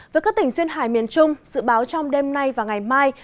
với các tỉnh duyên hải miền trung dự báo trong đêm nay và ngày mai